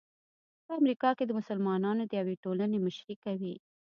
په امریکا کې د مسلمانانو د یوې ټولنې مشري کوي.